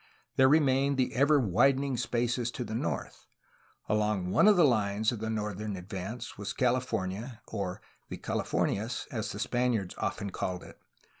There remained the ever widening spaces to the north. Along one of the Unes of the northern advance was CaU fornia, or "the Calif ornias" as the Spaniards often called it.